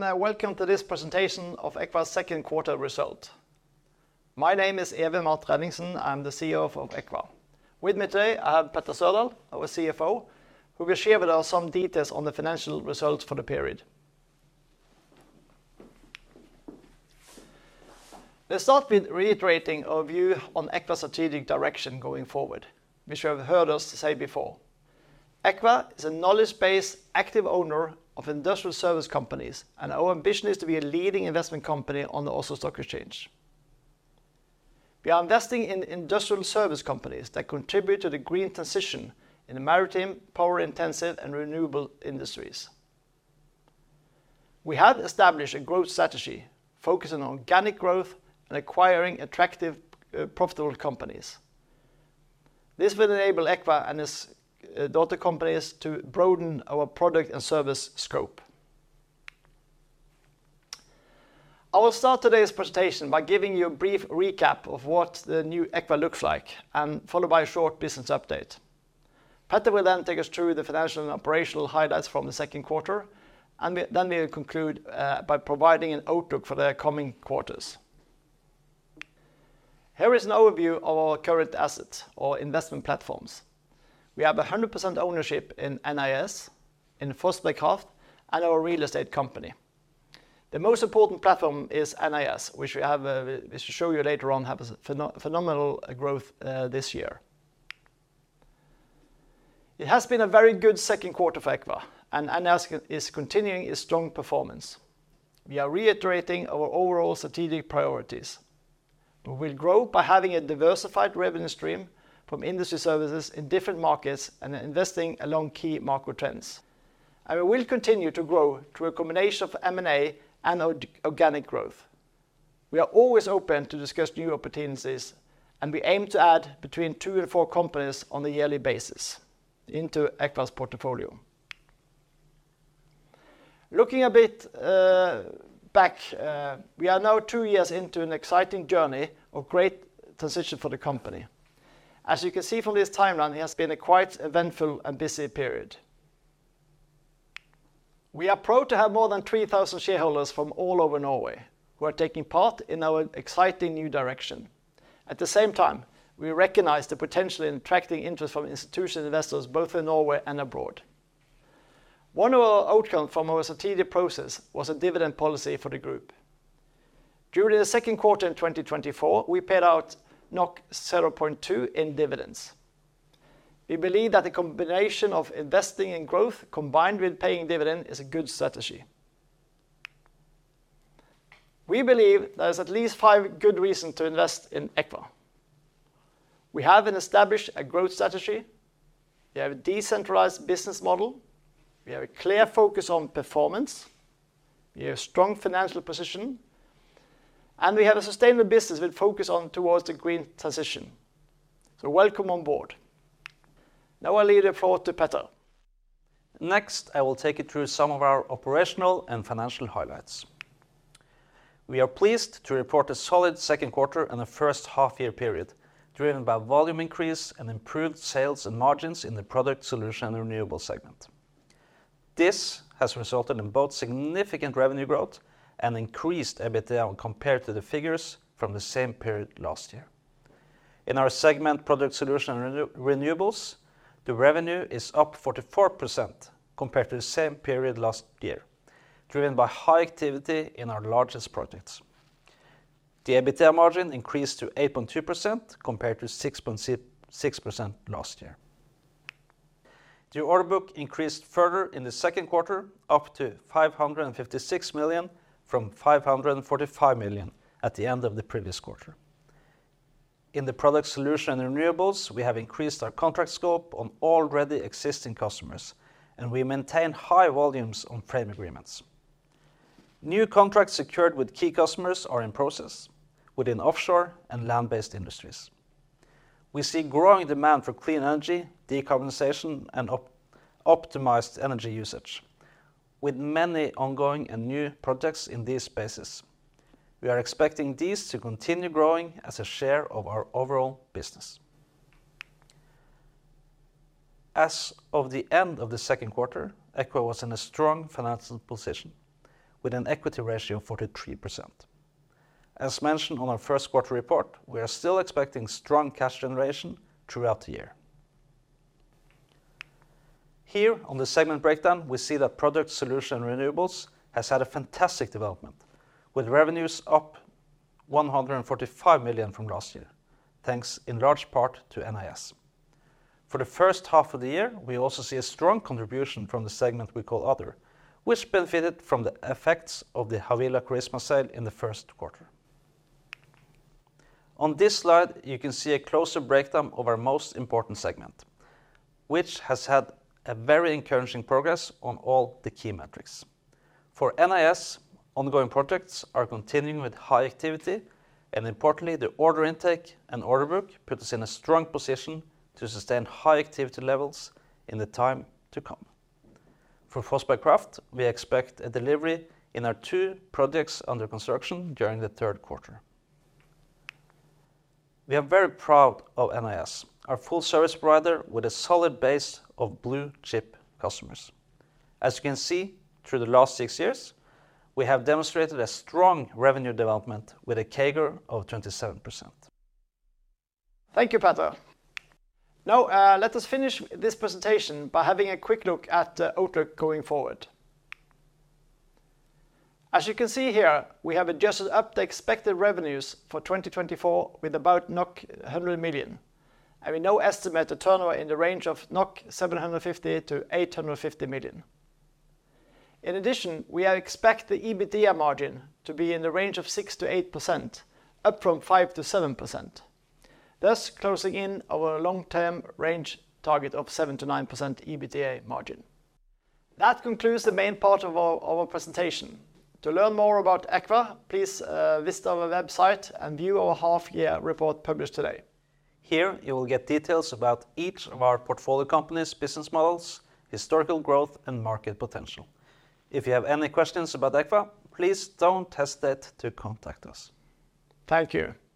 Welcome to this presentation of Eqva's second quarter result. My name is Even Matre Ellingsen. I'm the CEO of Eqva. With me today, I have Petter Sørdal, our CFO, who will share with us some details on the financial results for the period. Let's start with reiterating our view on Eqva's strategic direction going forward, which you have heard us say before. Eqva is a knowledge-based, active owner of industrial service companies, and our ambition is to be a leading investment company on the Oslo Stock Exchange. We are investing in industrial service companies that contribute to the green transition in the maritime, power-intensive, and renewable industries. We have established a growth strategy focusing on organic growth and acquiring attractive, profitable companies. This will enable Eqva and its daughter companies to broaden our product and service scope. I will start today's presentation by giving you a brief recap of what the new Eqva looks like, followed by a short business update. Petter will then take us through the financial and operational highlights from the second quarter, and then we will conclude by providing an outlook for the coming quarters. Here is an overview of our current assets, our investment platforms. We have 100% ownership in NIS, in Fossberg Kraft, and our real estate company. The most important platform is NIS, which we'll show you later on, has a phenomenal growth this year. It has been a very good second quarter for Eqva, and NIS is continuing its strong performance. We are reiterating our overall strategic priorities. We will grow by having a diversified revenue stream from industry services in different markets and investing along key market trends, and we will continue to grow through a combination of M&A and organic growth. We are always open to discuss new opportunities, and we aim to add between two and four companies on a yearly basis into Eqva's portfolio. Looking a bit back, we are now two years into an exciting journey of great transition for the company. As you can see from this timeline, it has been a quite eventful and busy period. We are proud to have more than 3,000 shareholders from all over Norway, who are taking part in our exciting new direction. At the same time, we recognize the potential in attracting interest from institutional investors, both in Norway and abroad. One of our outcomes from our strategic process was a dividend policy for the group. During the second quarter in 2024, we paid out 0.2 in dividends. We believe that the combination of investing in growth combined with paying dividend is a good strategy. We believe there is at least five good reasons to invest in Eqva. We have established a growth strategy. We have a decentralized business model. We have a clear focus on performance. We have strong financial position, and we have a sustainable business with focus on towards the green transition. Welcome on board. Now I leave the floor to Petter. Next, I will take you through some of our operational and financial highlights. We are pleased to report a solid second quarter and a first half-year period, driven by volume increase and improved sales and margins in the Products, Solutions and Renewables segment. This has resulted in both significant revenue growth and increased EBITDA compared to the figures from the same period last year. In our segment, Products, Solutions and Renewables, the revenue is up 44% compared to the same period last year, driven by high activity in our largest projects. The EBITDA margin increased to 8.2% compared to 6.6% last year. The order book increased further in the second quarter, up to 556 million from 545 million at the end of the previous quarter. In the Products, Solutions and Renewables, we have increased our contract scope on already existing customers, and we maintain high volumes on frame agreements. New contracts secured with key customers are in process within offshore and land-based industries. We see growing demand for clean energy, decarbonization, and optimized energy usage, with many ongoing and new projects in these spaces. We are expecting these to continue growing as a share of our overall business. As of the end of the second quarter, Eqva was in a strong financial position with an equity ratio of 43%. As mentioned on our first quarter report, we are still expecting strong cash generation throughout the year. Here, on the segment breakdown, we see that Product, Solutions and Renewables has had a fantastic development, with revenues up 145 million from last year, thanks in large part to NIS. For the first half of the year, we also see a strong contribution from the segment we call Other, which benefited from the effects of the Havila Kystruten sale in the first quarter. On this slide, you can see a closer breakdown of our most important segment, which has had a very encouraging progress on all the key metrics. For BKS, ongoing projects are continuing with high activity, and importantly, the order intake and order book put us in a strong position to sustain high activity levels in the time to come. For Fossberg Kraft, we expect a delivery in our two projects under construction during the third quarter. We are very proud of BKS, our full service provider, with a solid base of blue-chip customers. As you can see, through the last six years, we have demonstrated a strong revenue development with a CAGR of 27%. Thank you, Petter. Now, let us finish this presentation by having a quick look at the outlook going forward. As you can see here, we have adjusted up the expected revenues for 2024 with about 100 million, and we now estimate the turnover in the range of 750 million-850 million. In addition, we expect the EBITDA margin to be in the range of 6%-8%, up from 5%-7%, thus closing in on our long-term range target of 7%-9% EBITDA margin. That concludes the main part of our presentation. To learn more about Eqva, please, visit our website and view our half-year report published today. Here, you will get details about each of our portfolio companies' business models, historical growth, and market potential. If you have any questions about Eqva, please don't hesitate to contact us. Thank you.